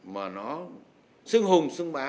mà nó xưng hùng xưng bá